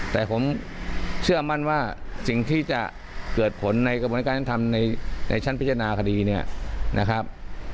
แต่ผมเชื่อมั่นว่าสิ่งที่จะเกิดผลในกระบวนการยุติธรรมในชั้นพิจารณาคดีเนี่ยนะครับ